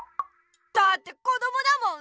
だってこどもだもん！